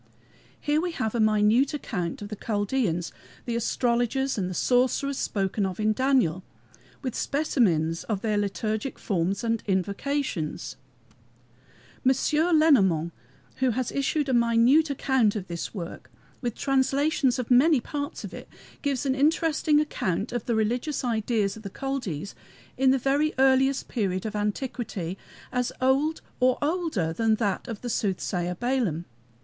Here we have a minute account, of the Chaldeans the astrologers and the sorcerers spoken of in Daniel with specimens of their liturgic forms and invocations. M. Lenormant, who has issued a minute account of this work with translations of many parts of it, gives an interesting account of the religious ideas of the Chaldees in the very earliest period of antiquity, as old or older than that of the soothsayer Balaam.